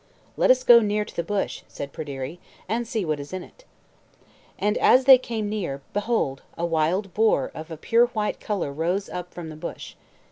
"Let us go near to the bush," said Pryderi, "and see what is in it." And as they came near, behold, a wild boar of a pure white color rose up from the bush.